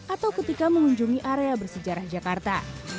atau ketika mengunjungi area bersejarah jakarta